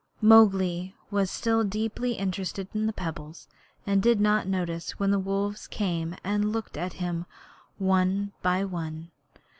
Mowgli was still deeply interested in the pebbles, and he did not notice when the wolves came and looked at him one by one.